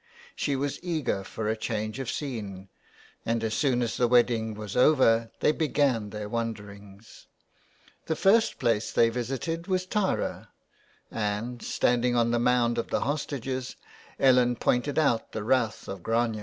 '' She was eager for a change of scene, and as soon as the wedding was over they began their wanderings. The first place they visited was Tara, and, standing on the Mound of the Hostages, Ellen pointed out the Rath of Grania.